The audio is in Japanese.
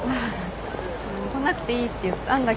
来なくていいって言ったんだけどね。